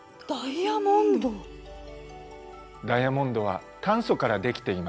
ダイヤモンドは炭素からできています。